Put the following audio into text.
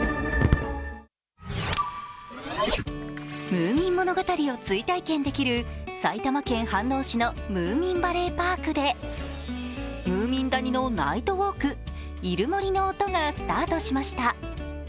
ムーミン物語を追体験できる埼玉県飯能市のムーミンバレーパークでムーミン谷のナイトウォーク・イルモリノオトがスタートしました。